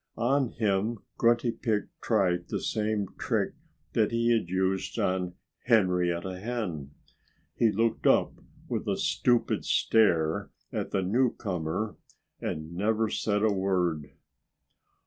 On him Grunty Pig tried the same trick that he had used on Henrietta Hen. He looked up with a stupid stare at the newcomer and said never a word.